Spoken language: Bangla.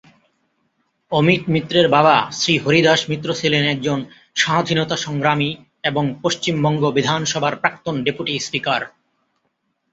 অমিত মিত্রের বাবা শ্রী হরিদাস মিত্র ছিলেন একজন স্বাধীনতা সংগ্রামী এবং পশ্চিমবঙ্গ বিধানসভার প্রাক্তন ডেপুটি স্পিকার।